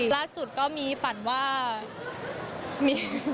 ล่าสุดก็มีฝันว่ามี